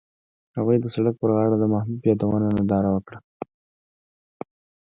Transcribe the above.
هغوی د سړک پر غاړه د محبوب یادونه ننداره وکړه.